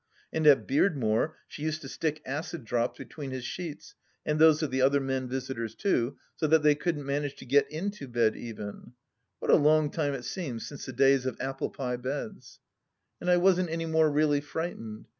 And at Beardmore she used to stick acid drops between his sheets, and those of the other men visitors, too, so that they couldn't manage to get into bed, even 1 What a long time it seems since the days of apple pie beds !... And I wasn't any more really frightened.